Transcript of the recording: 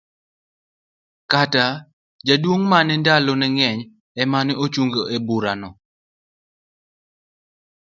Kata, jaduong mane ndalo ne ngeny emane ochung' ne bura no.